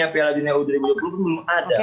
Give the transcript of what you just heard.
piala dunia u dua puluh belum ada